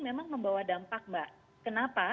memang membawa dampak mbak kenapa